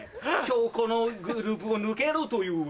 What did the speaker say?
今日このグループを抜けるという